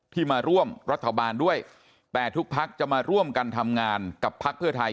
มาร่วมรัฐบาลด้วยแต่ทุกพักจะมาร่วมกันทำงานกับพักเพื่อไทย